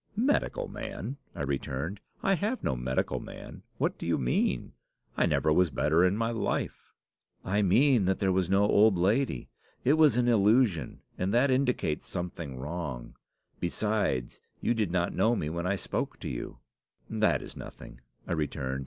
"'Medical man!' I returned; 'I have no medical man. What do you mean? I never was better in my life.' "'I mean that there was no old lady. It was an illusion, and that indicates something wrong. Besides, you did not know me when I spoke to you.' "'That is nothing," I returned.